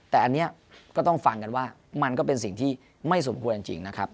แต่อันนี้ก็ต้องฟังกันว่ามันก็เป็นสิ่งที่ไม่สมควรจริงนะครับ